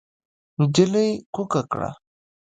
نجلۍ کوکه کړه.